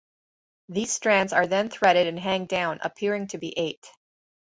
These strands are then threaded and hang down, appearing to be eight.